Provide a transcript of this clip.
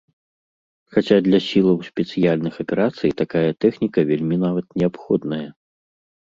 Хаця для сілаў спецыяльных аперацый такая тэхніка вельмі нават неабходная.